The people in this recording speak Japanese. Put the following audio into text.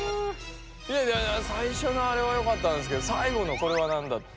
いやいやいやさいしょのあれはよかったんですけどさいごのこれはなんだった？